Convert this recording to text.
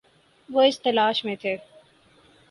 وہ اس تلاش میں تھے